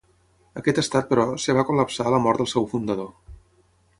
Aquest Estat, però, es va col·lapsar a la mort del seu fundador.